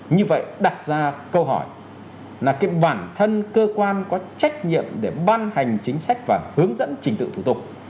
như vậy đặt ra câu hỏi là bản thân cơ quan có trách nhiệm để ban hành chính sách và hướng dẫn trình tự thủ tục